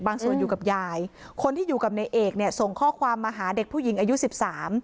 ส่วนอยู่กับยายคนที่อยู่กับในเอกเนี่ยส่งข้อความมาหาเด็กผู้หญิงอายุสิบสาม